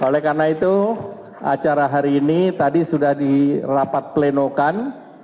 oleh karena itu acara hari ini tadi sudah dirapat plenokan